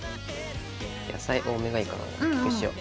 野菜多めがいいからこうしよう。